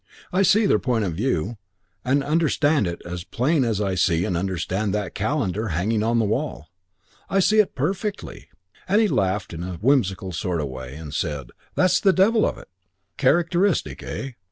I see their point of view and understand it as plain as I see and understand that calendar hanging on the wall. I see it perfectly,' and he laughed in a whimsical sort of way and said, 'That's the devil of it.' "Characteristic, eh?